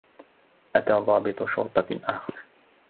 أتى ضابط شرطة آخر.